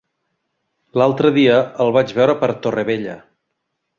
L'altre dia el vaig veure per Torrevella.